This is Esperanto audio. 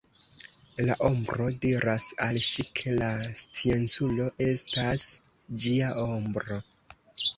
La ombro diras al ŝi ke la scienculo estas ĝia ombro.